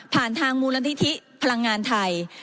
ทางมูลนิธิพลังงานไทย